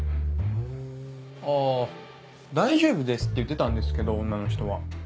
あ「大丈夫です」って言ってたんですけど女の人は。